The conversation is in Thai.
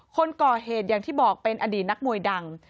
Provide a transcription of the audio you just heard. คนก่อเหตุอย่างที่บอกเป็นอดีตนักมวยดัง